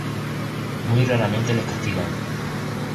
Muy raramente les castigan.